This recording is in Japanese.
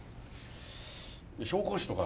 紹興酒とか？